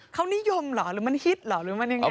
เขานิยมเหรอหรือมันฮิตเหรอหรือมันยังไง